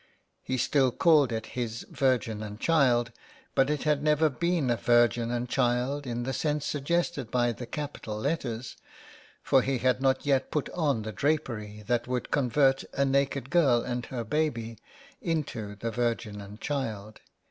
He still called it his Virgin and Child, but it had never been a Virgin and Child in the sense suggested by the capital letters, for he had not yet put on the drapery that would convert a naked girl and her baby into the Virgin and Child.